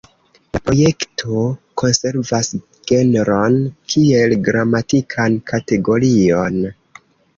La projekto konservas genron kiel gramatikan kategorion.